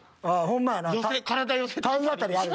ああほんまやな。